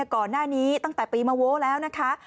ก่อนหน้านี้ตั้งแต่ปีมาโว้แล้วนะคะ